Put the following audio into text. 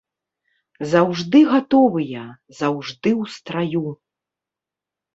Заўжды гатовыя, заўжды ў страю.